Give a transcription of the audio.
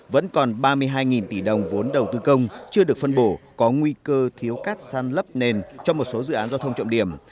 vẫn còn ba mươi hai tỷ đồng vốn đầu tư công chưa được phân bổ có nguy cơ thiếu cát sàn lấp nền trong một số dự án giao thông trọng điểm